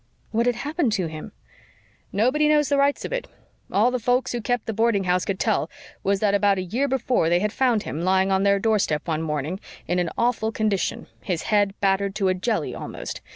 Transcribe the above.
"What had happened to him?" "Nobody knows the rights of it. All the folks who kept the boarding house could tell was that about a year before they had found him lying on their doorstep one morning in an awful condition his head battered to a jelly almost.